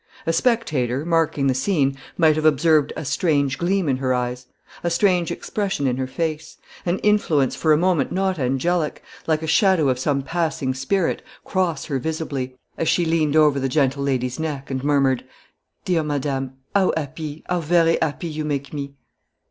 A spectator, marking the scene, might have observed a strange gleam in her eyes a strange expression in her face an influence for a moment not angelic, like a shadow of some passing spirit, cross her visibly, as she leaned over the gentle lady's neck, and murmured, "Dear madame, how happy how very happy you make me."